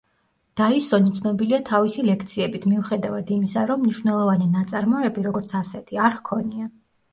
დაისონი ცნობილია თავისი ლექციებით, მიუხედავად იმისა, რომ მნიშვნელოვანი ნაწარმოები, როგორც ასეთი, არ ჰქონია.